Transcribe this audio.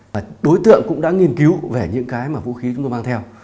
và đối tượng cũng đã nghiên cứu về những cái mà vũ khí chúng tôi mang theo